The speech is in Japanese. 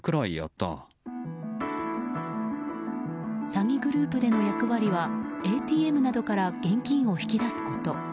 詐欺グループでの役割はＡＴＭなどから現金を引き出すこと。